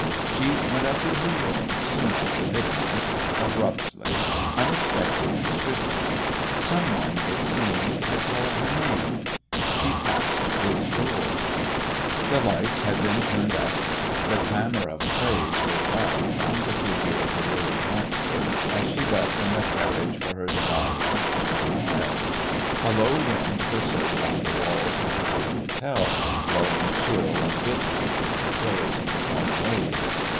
She went up to her room soon after midnight, abruptly, unexpectedly stricken. Some one, it seemed, had called her name. She passed his door. The lights had been turned up. The clamour of praise was loud round the figure of the weary dancer as she left in a carriage for her dahabîyeh on the Nile. A low wind whistled round the walls of the great hotel, blowing chill and bitter between the pillars of the colonnades.